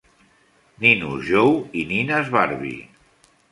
Ninos Joe i nines Barbie.